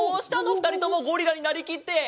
ふたりともゴリラになりきって。